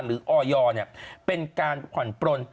หรืออยเป็นการขวั่นปล้น